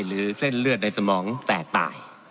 เส้นเลือดในสมองแตกตาย